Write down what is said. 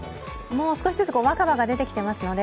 少しずつ若葉が出ていますので